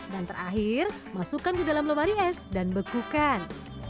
dan terakhir masukkan ke dalam lemari es dan bekukan